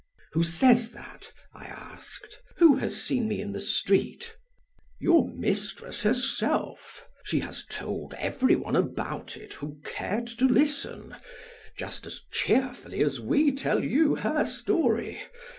"Who says that," I asked, "who has seen me in the street?" "Your mistress herself; she has told every one about it who cared to listen, just as cheerfully as we tell you her story.